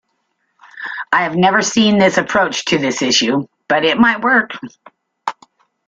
I have never seen this approach to this issue, but it might work.